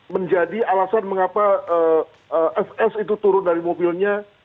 menjadi alasan mengapa fs itu turun dari mobilnya